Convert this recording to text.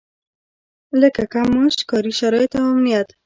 لکه کم معاش، کاري شرايط او امنيت.